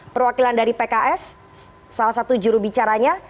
perwakilan dari pks salah satu jurubicaranya